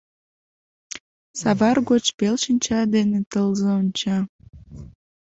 Савар гоч пел шинча дене тылзе онча...